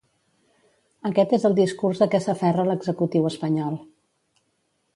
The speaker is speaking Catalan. Aquest és el discurs a què s’aferra l’executiu espanyol.